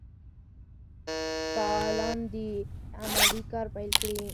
فعالان دي عملي کار پیل کړي.